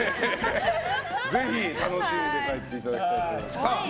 ぜひ楽しんで帰っていただきたいと思います。